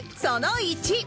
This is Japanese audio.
その１